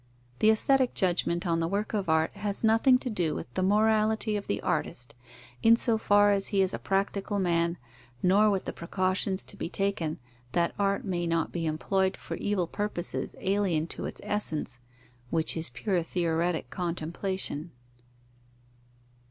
The aesthetic judgment on the work of art has nothing to do with the morality of the artist, in so far as he is a practical man, nor with the precautions to be taken that art may not be employed for evil purposes alien to its essence, which is pure theoretic contemplation.